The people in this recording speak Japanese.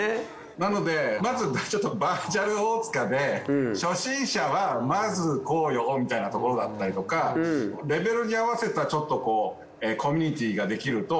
なのでまずバーチャル大塚で初心者はまずこうよみたいなところだったりとかレベルに合わせたコミュニティーができると。